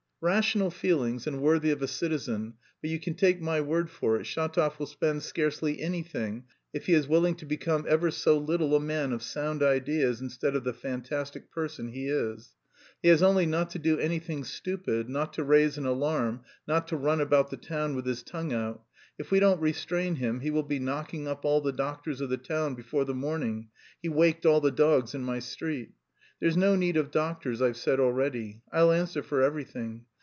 "Rational feelings and worthy of a citizen, but you can take my word for it, Shatov will spend scarcely anything, if he is willing to become ever so little a man of sound ideas instead of the fantastic person he is. He has only not to do anything stupid, not to raise an alarm, not to run about the town with his tongue out. If we don't restrain him he will be knocking up all the doctors of the town before the morning; he waked all the dogs in my street. There's no need of doctors I've said already. I'll answer for everything.